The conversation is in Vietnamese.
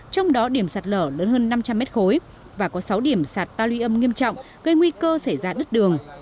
trong đó điểm sạt lở lớn hơn năm trăm linh m ba và có sáu điểm sạt tàu luy âm nghiêm trọng gây nguy cơ xảy ra đất đường